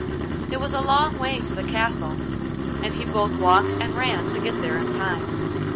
It was a long way to the castle, and he both walked and ran to get there in time.